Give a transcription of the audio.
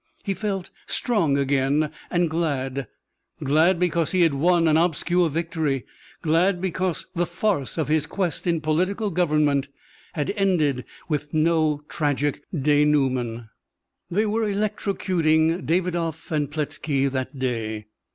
He felt strong again and glad glad because he had won an obscure victory, glad because the farce of his quest in political government had ended with no tragic dénouement. They were electrocuting Davidoff and Pletzky that day.